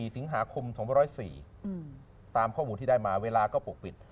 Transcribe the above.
๔สิงหาคม๒๐๔ตามข้อมูลที่ได้มาเวลาก็ปกปิด